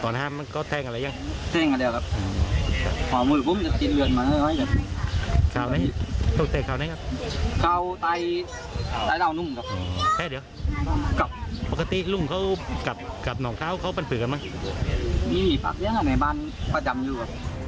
นี่มีปากเสียงอยู่ในบ้านประจำด้วย